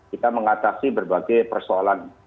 kita mengatasi berbagai persoalan